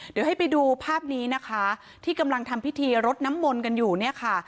เดี๋ยวให้ไปดูภาพนี้นะคะที่กำลังทำพิธีรดน้ำมนต์กันอยู่เนี่ยค่ะ